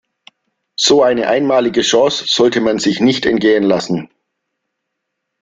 So eine einmalige Chance sollte man sich nicht entgehen lassen.